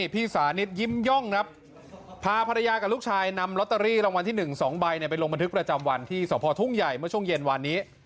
พี่สานิทยิ้มย่องครับพาภรรยากับลูกชายนำลอตเตอรี่รางวัลที่๑๒ใบไปลงบันทึกประจำวันที่สพทุ่งใหญ่เมื่อช่วงเย็นวันนี้